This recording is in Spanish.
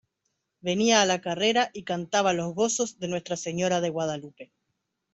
venía a la carrera y cantaba los gozos de Nuestra Señora de Guadalupe.